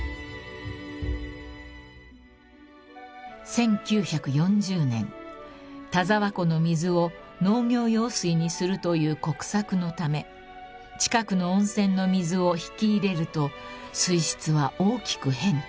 ［１９４０年田沢湖の水を農業用水にするという国策のため近くの温泉の水を引き入れると水質は大きく変化］